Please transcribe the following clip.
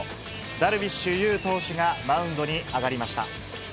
ダルビッシュ有投手がマウンドに上がりました。